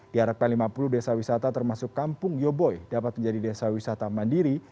di harapan lima puluh desa wisata termasuk kampung yoboi dapat menjadi desa wisata mandiri